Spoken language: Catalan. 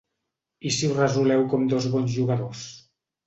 I si ho resoleu com dos bons jugadors?